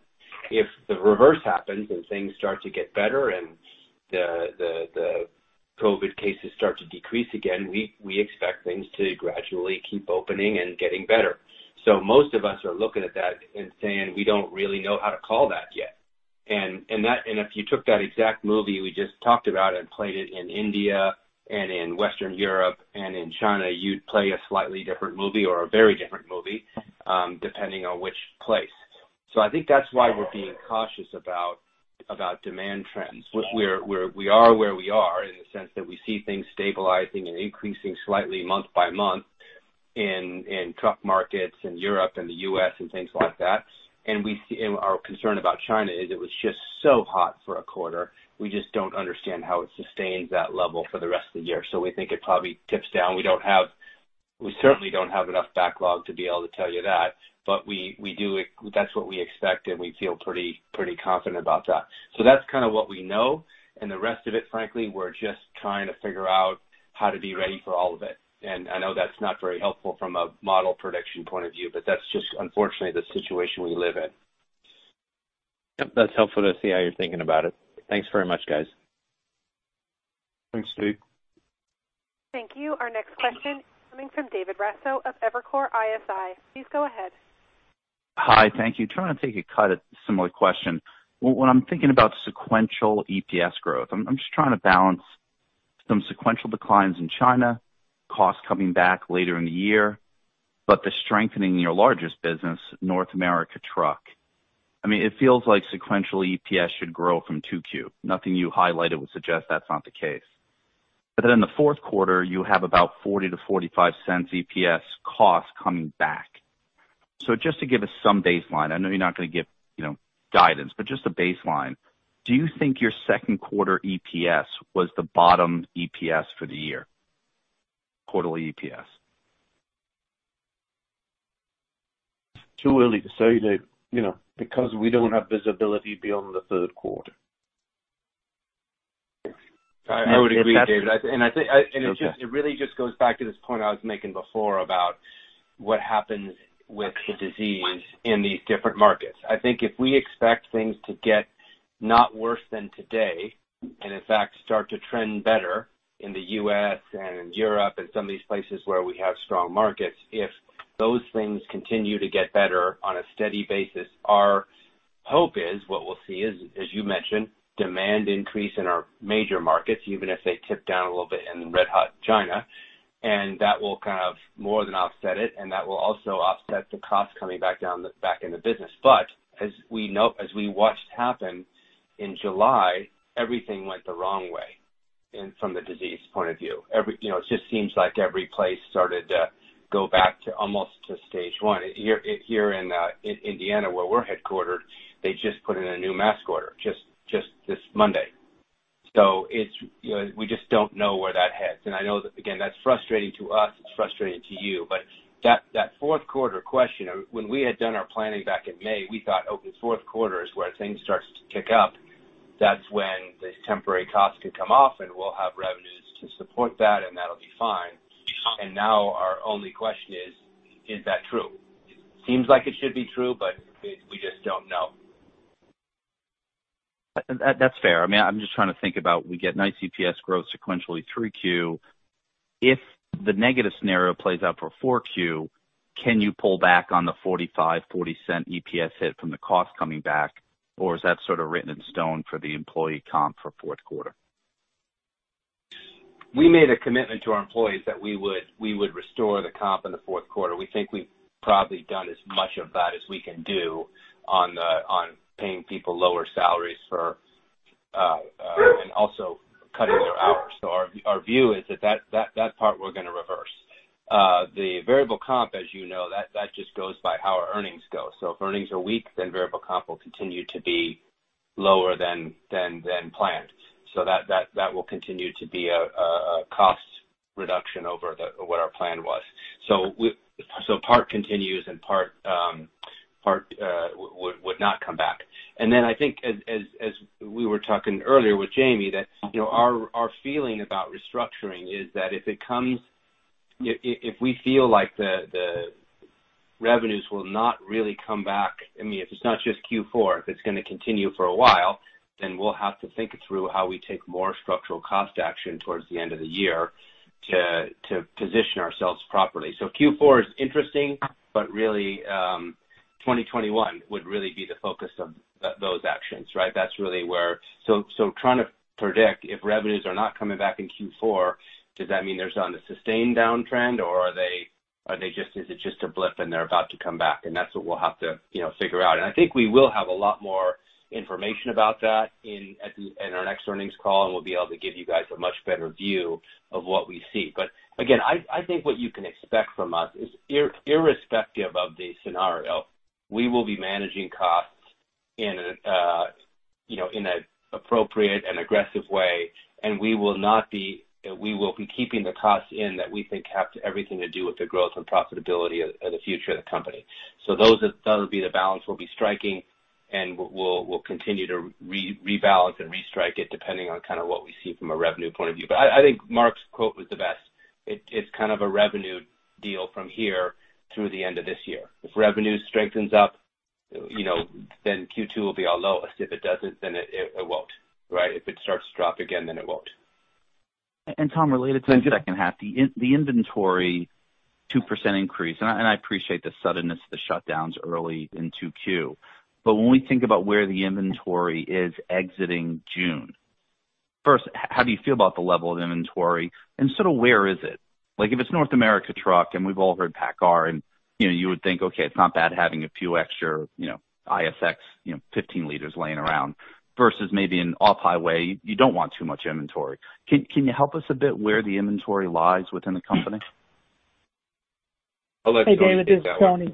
If the reverse happens and things start to get better and the COVID-19 cases start to decrease again, we expect things to gradually keep opening and getting better. Most of us are looking at that and saying, we don't really know how to call that yet. If you took that exact movie we just talked about and played it in India and in Western Europe and in China, you'd play a slightly different movie or a very different movie, depending on which place. I think that's why we're being cautious about demand trends. We are where we are in the sense that we see things stabilizing and increasing slightly month by month in truck markets in Europe and the U.S. and things like that. Our concern about China is it was just so hot for a quarter. We just don't understand how it sustains that level for the rest of the year. We think it probably tips down. We certainly don't have enough backlog to be able to tell you that, but that's what we expect, and we feel pretty confident about that. That's kind of what we know, and the rest of it, frankly, we're just trying to figure out how to be ready for all of it. I know that's not very helpful from a model prediction point of view, but that's just unfortunately the situation we live in. Yep. That's helpful to see how you're thinking about it. Thanks very much, guys. Thanks, Steven. Thank you. Our next question is coming from David Raso of Evercore ISI. Please go ahead. Hi. Thank you. Trying to take a cut at a similar question. When I'm thinking about sequential EPS growth, I mean, I'm just trying to balance some sequential declines in China, cost coming back later in the year, but the strengthening in your largest business, North America Truck. It feels like sequential EPS should grow from 2Q. Nothing you highlighted would suggest that is not the case. In the fourth quarter, you have about $0.40-$0.45 EPS cost coming back. Just to give us some baseline, I know you are not going to give guidance, but just a baseline. Do you think your second quarter EPS was the bottom EPS for the year? Quarterly EPS. Too early to say, David, because we don't have visibility beyond the third quarter. I would agree, David. It really just goes back to this point I was making before about what happens with the disease in these different markets. I think if we expect things to get not worse than today, and in fact, start to trend better in the U.S. and Europe and some of these places where we have strong markets. If those things continue to get better on a steady basis, our hope is, what we'll see is, as you mentioned, demand increase in our major markets, even if they tip down a little bit in red-hot China, and that will kind of more than offset it, and that will also offset the cost coming back down the back in the business. As we watched happen in July, everything went the wrong way from the disease point of view. It just seems like every place started to go back to almost to stage one. Here in Indiana where we're headquartered, they just put in a new mask order just this Monday. We just don't know where that heads. I know, again, that's frustrating to us, it's frustrating to you, but that fourth quarter question, when we had done our planning back in May, we thought, okay, fourth quarter is where things starts to kick up. That's when the temporary costs could come off, and we'll have revenues to support that, and that'll be fine. Now our only question is that true? It seems like it should be true, we just don't know. That's fair. I'm just trying to think about, we get nice EPS growth sequentially 3Q. If the negative scenario plays out for 4Q, can you pull back on the $0.45, $0.40 EPS hit from the cost coming back, or is that sort of written in stone for the employee comp for fourth quarter? We made a commitment to our employees that we would restore the comp in the fourth quarter. We think we've probably done as much of that as we can do on paying people lower salaries and also cutting their hours. Our view is that part we're going to reverse. The variable comp, as you know, that just goes by how our earnings go. If earnings are weak, variable comp will continue to be lower than planned. That will continue to be a cost reduction over what our plan was. Part continues and part would not come back. I think as we were talking earlier with Jamie, that our feeling about restructuring is that if we feel like the revenues will not really come back, if it's not just Q4, if it's going to continue for a while, then we'll have to think through how we take more structural cost action towards the end of the year to position ourselves properly. Q4 is interesting, but really, 2021 would really be the focus of those actions, right? Trying to predict if revenues are not coming back in Q4, does that mean they're on a sustained downtrend, or is it just a blip and they're about to come back? That's what we'll have to figure out. I think we will have a lot more information about that in our next earnings call, and we'll be able to give you guys a much better view of what we see. Again, I think what you can expect from us is irrespective of the scenario, we will be managing costs in an appropriate and aggressive way, and we will be keeping the costs in that we think have everything to do with the growth and profitability of the future of the company. Those will be the balance we'll be striking, and we'll continue to rebalance and restrike it depending on kind of what we see from a revenue point of view. I think Mark's quote was the best. It's kind of a revenue deal from here through the end of this year. If revenue strengthens up, then Q2 will be our lowest. If it doesn't, then it won't, right? If it starts to drop again, then it won't. Tom, related to the second half, the inventory 2% increase, I appreciate the suddenness of the shutdowns early in 2Q. When we think about where the inventory is exiting June, first, how do you feel about the level of inventory, and sort of where is it? Like if it's North America truck, and we've all heard PACCAR, and you would think, okay, it's not bad having a few extra ISX15 liters laying around. Versus maybe in off-highway, you don't want too much inventory. Can you help us a bit where the inventory lies within the company? I'll let Tony take that one. Hey,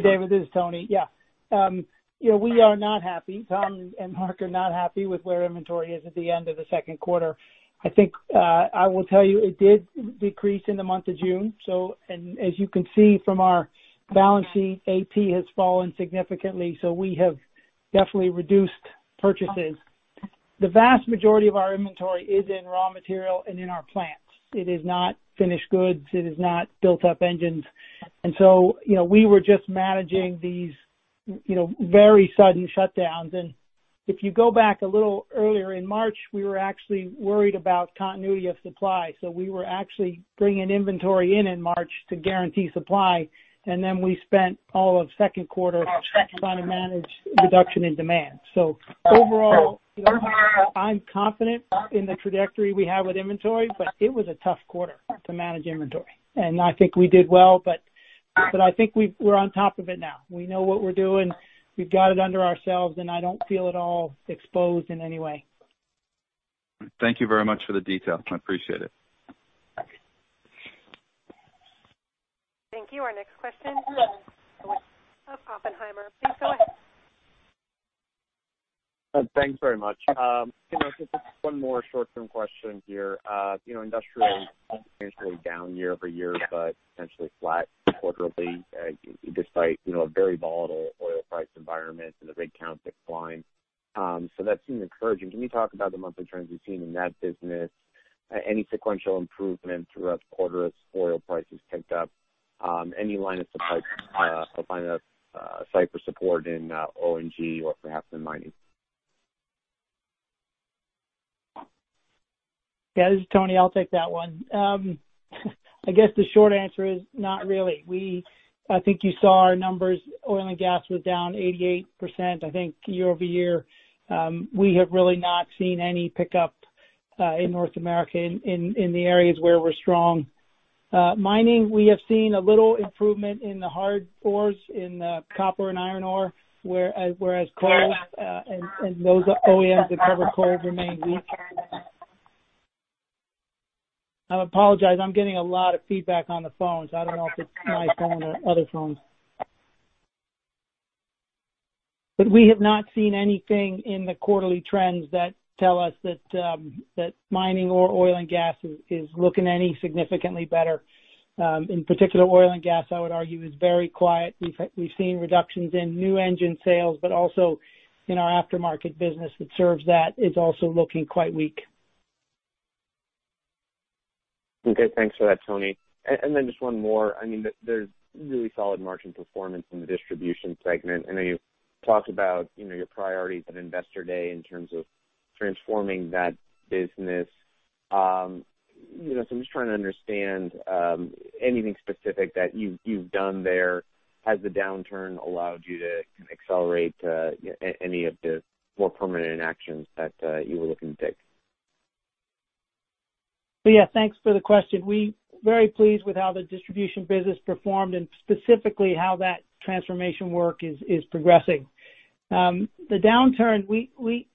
David, this is Tony. Yeah. We are not happy. Tom and Mark are not happy with where inventory is at the end of the second quarter. I think, I will tell you it did decrease in the month of June. As you can see from our balance sheet, AP has fallen significantly. We have definitely reduced purchases. The vast majority of our inventory is in raw material and in our plants. It is not finished goods. It is not built up engines. We were just managing these very sudden shutdowns. If you go back a little earlier in March, we were actually worried about continuity of supply. We were actually bringing inventory in in March to guarantee supply, we spent all of second quarter trying to manage reduction in demand. Overall, I'm confident in the trajectory we have with inventory. It was a tough quarter to manage inventory. I think we did well. I think we're on top of it now. We know what we're doing. We've got it under ourselves. I don't feel at all exposed in any way. Thank you very much for the details. I appreciate it. Thank you. Our next question, from Oppenheimer. Please go ahead. Thanks very much. Just one more short-term question here. Industrial is down year-over-year, but essentially flat quarterly, despite a very volatile oil price environment and the rig count that's sliding. That seemed encouraging. Can we talk about the monthly trends you've seen in that business? Any sequential improvement throughout the quarter as oil prices ticked up? Any line of sight for support in O&G or perhaps in mining? Yeah, this is Tony. I'll take that one. I guess the short answer is not really. I think you saw our numbers, oil and gas was down 88%, I think, year-over-year. We have really not seen any pickup, in North America in the areas where we're strong. Mining, we have seen a little improvement in the hard rock in copper and iron ore, whereas coal, and those OEMs that cover coal remain weak. I apologize. I'm getting a lot of feedback on the phone. I don't know if it's my phone or other phones. We have not seen anything in the quarterly trends that tell us that mining or oil and gas is looking any significantly better. In particular, oil and gas, I would argue, is very quiet. We've seen reductions in new engine sales, but also in our aftermarket business that serves that is also looking quite weak. Okay. Thanks for that, Tony. Just one more. There's really solid margin performance in the distribution segment. I know you've talked about your priorities at Investor Day in terms of transforming that business. I'm just trying to understand anything specific that you've done there. Has the downturn allowed you to accelerate any of the more permanent actions that you were looking to take? Yeah. Thanks for the question. We're very pleased with how the distribution business performed and specifically how that transformation work is progressing. The downturn,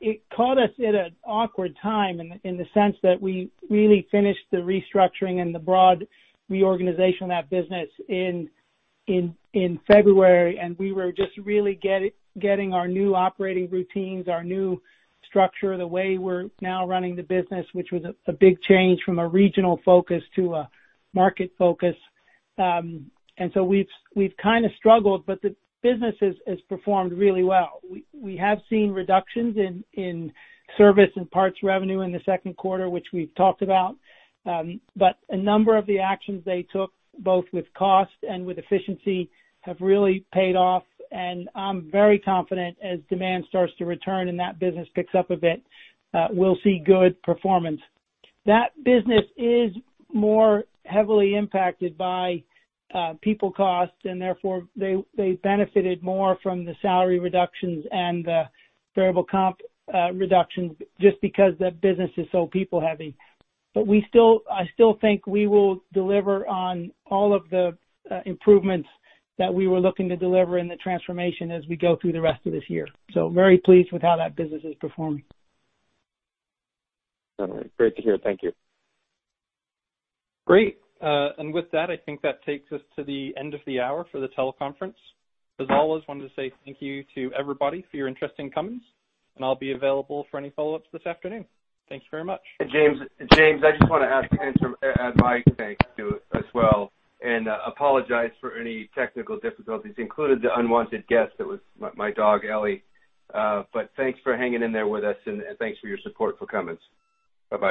it caught us at an awkward time in the sense that we really finished the restructuring and the broad reorganization of that business in February, and we were just really getting our new operating routines, our new structure, the way we're now running the business, which was a big change from a regional focus to a market focus. We've kind of struggled, but the business has performed really well. We have seen reductions in service and parts revenue in the second quarter, which we've talked about. A number of the actions they took, both with cost and with efficiency, have really paid off, and I'm very confident as demand starts to return and that business picks up a bit, we'll see good performance. That business is more heavily impacted by people costs, and therefore, they benefited more from the salary reductions and the variable comp reductions just because that business is so people heavy. I still think we will deliver on all of the improvements that we were looking to deliver in the transformation as we go through the rest of this year. Very pleased with how that business is performing. All right. Great to hear. Thank you. Great. With that, I think that takes us to the end of the hour for the teleconference. As always, wanted to say thank you to everybody for your interest in Cummins, and I'll be available for any follow-ups this afternoon. Thanks very much. James, I just want to add my thanks to you as well and apologize for any technical difficulties, including the unwanted guest. That was my dog, Ellie. Thanks for hanging in there with us and thanks for your support for Cummins. Bye-bye.